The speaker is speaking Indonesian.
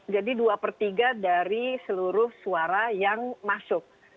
jadi dua per tiga dari seluruh suara yang masuk